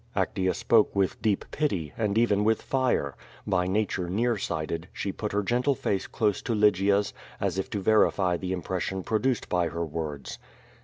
Actea spoke with deep pity, and even with fire. By na ture near sighted, she put her gentle face close to Lygia's, as if to verify the impression produced by her words.